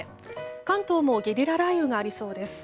関東もゲリラ雷雨がありそうです。